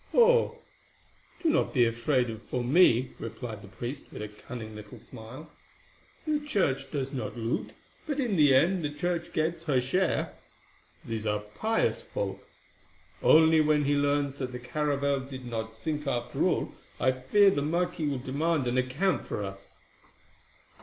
"Oh, do not be afraid for me," replied the priest with a cunning little smile. "The Church does not loot; but in the end the Church gets her share. These are a pious folk. Only when he learns that the caravel did not sink after all, I fear the marquis will demand an account of us."